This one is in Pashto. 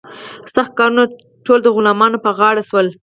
سخت کارونه ټول د غلامانو په غاړه شول.